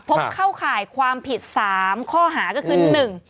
พบเข้าข่ายความผิด๓ข้อหาก็คือ